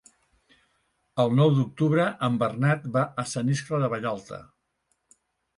El nou d'octubre en Bernat va a Sant Iscle de Vallalta.